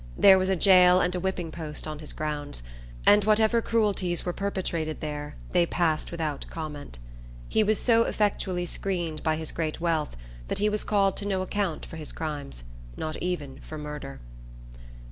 There was a jail and a whipping post on his grounds; and whatever cruelties were perpetrated there, they passed without comment. He was so effectually screened by his great wealth that he was called to no account for his crimes, not even for murder.